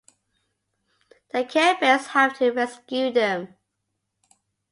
The Care Bears have to rescue them.